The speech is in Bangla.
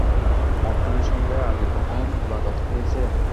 মর্টনের সঙ্গে আগে কখনো মোলাকাত হয়েছে?